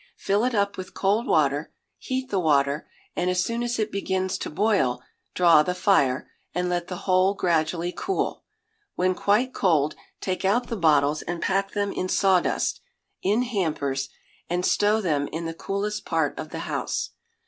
Fill it up with cold water; heat the water, and as soon as it begins to boil, draw the fire, and let the whole gradually cool. When quite cold, take out the bottles and pack them in sawdust, in hampers, and stow them in the coolest part of the house.